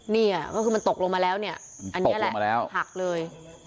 นี่ก็คือมันตกลงมาแล้วอันเนี่ยแหละหักเลย